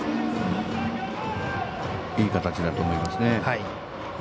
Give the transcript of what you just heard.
いい形だと思います。